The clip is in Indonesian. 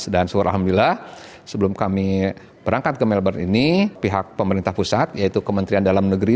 dan seolah olah sebelum kami berangkat ke melbourne ini pihak pemerintah pusat yaitu kementerian dalam negeri